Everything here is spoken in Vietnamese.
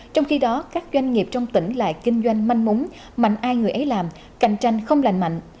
trong khi đó các doanh nghiệp trong tỉnh lại kinh doanh manh múng mạnh ai người ấy làm cạnh tranh không lành mạnh